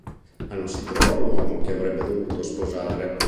Ma non si trovò l'uomo che avrebbe dovuto sposare.